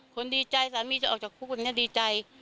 คนดีใจสามีจะออกจากคุกอย่างนี้ดีใจ